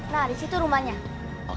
nah disitu rumahnya dia jualan kak